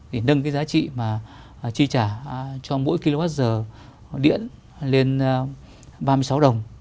để nâng cái giá trị mà chi trả cho mỗi kilowatt giờ điện lên ba mươi sáu đồng